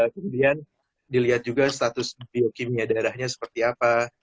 kemudian dilihat juga status bio kimia darahnya seperti apa